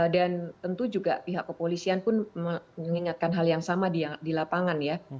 tentu juga pihak kepolisian pun mengingatkan hal yang sama di lapangan ya